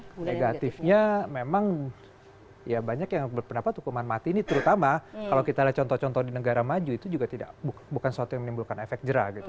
ya negatifnya memang ya banyak yang berpendapat hukuman mati ini terutama kalau kita lihat contoh contoh di negara maju itu juga bukan sesuatu yang menimbulkan efek jerah gitu